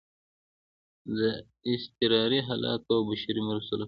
د اضطراري حالاتو او بشري مرستو لپاره